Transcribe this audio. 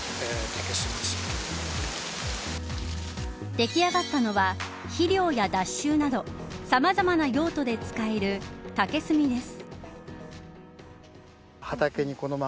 出来上がったのは肥料や脱臭などさまざまな用途で使える竹炭です。